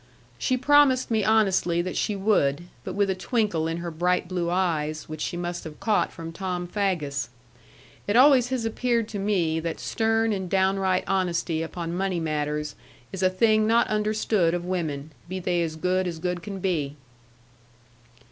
She promised me honestly that she would; but with a twinkle in her bright blue eyes, which she must have caught from Tom Faggus. It always has appeared to me that stern and downright honesty upon money matters is a thing not understood of women; be they as good as good can be.